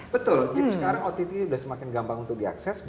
betul jadi sekarang ott sudah semakin gampang untuk diakses